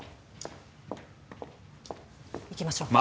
行きましょう。